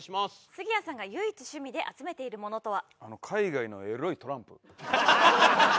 杉谷さんが唯一趣味で集めているものとは？